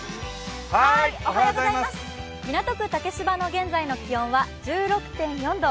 港区・竹芝の現在の気温は１６．４度。